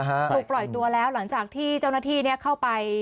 ถูกปล่อยตัวแล้วหลังจากที่เจ้าหน้าที่เข้าไป